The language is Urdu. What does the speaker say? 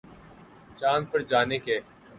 چاند پر جانے کے